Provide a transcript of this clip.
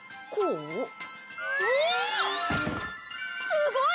すごい！